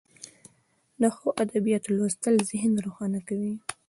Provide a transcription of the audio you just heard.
د ښو ادبیاتو لوستل ذهن روښانه کوي.